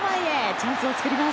チャンスを作ります。